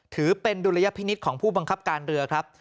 ถือเป็นดุลยพินิษฐ์ของผู้บังคับการเรือครับ